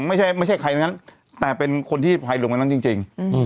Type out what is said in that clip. ไม่ใช่ใครนั้นแต่เป็นคนที่พลายเรือลงไปนั้นจริง